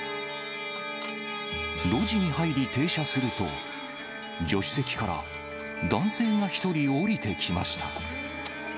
路地に入り停車すると、助手席から、男性が１人降りてきました。